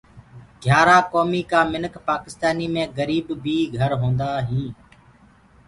گھِيآرآ ڪوميٚ ڪآ منک پآڪِسآنيٚ مي گريب بي گھر هونٚدآ هينٚ